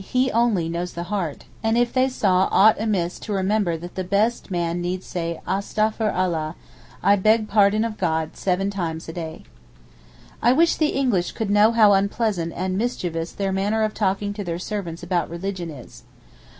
_, He only knows the heart), and if they saw aught amiss to remember that the best man need say Astafer Allah (I beg pardon of God) seven times a day. I wish the English could know how unpleasant and mischievous their manner of talking to their servants about religion is.